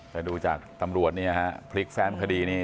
แต่ดูจากตำรวจนี่พลิกแฟนคดีนี่